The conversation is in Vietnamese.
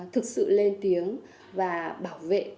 thực sự lên tiếng và bảo vệ